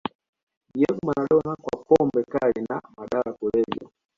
diego maradona kwa pombe kali na madawa ya kulevya